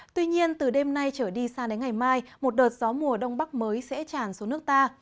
tuy nhiên từ đêm nay trở đi sang đến ngày mai một đợt gió mùa đông bắc mới sẽ tràn xuống nước ta